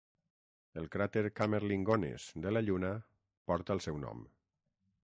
El cràter Kamerlingh Onnes de la Lluna porta el seu nom.